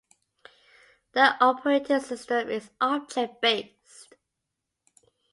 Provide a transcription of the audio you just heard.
The operating system is object-based.